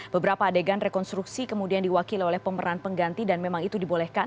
beberapa adegan rekonstruksi kemudian diwakili oleh pemeran pengganti dan memang itu dibolehkan